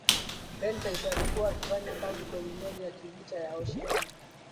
prentice alikuwa akifanya kazi kwenye meli ya kivita ya oceanic